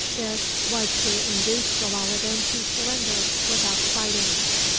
This was to induce Jalaloddin to surrender without fighting.